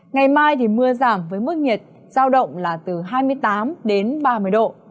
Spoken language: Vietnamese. ngày mai thì mưa giảm với mức nhiệt giao động là từ hai mươi tám đến ba mươi độ